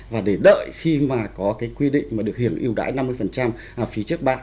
và để đợi khi mà có cái quy định mà được hiểm ưu đãi năm mươi phí chất bạc